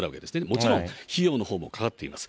もちろん、費用のほうもかかっています。